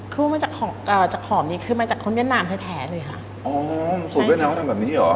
คือมาจากหอมนี่คือมาจากคนเวียดนามแท้เลยค่ะอ๋อสูตรเวียดนามก็ทำแบบนี้หรอ